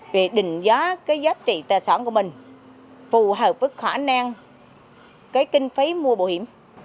về định giá cái giá trị tài sản của mình phù hợp với khả năng cái kinh phí mua bảo hiểm